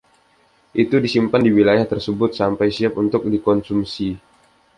Itu disimpan di wilayah tersebut sampai siap untuk dikonsumsi.